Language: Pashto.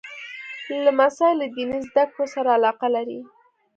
لمسی له دیني زده کړو سره علاقه لري.